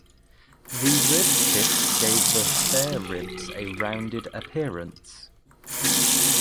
The rib tips give the spare ribs a rounded appearance.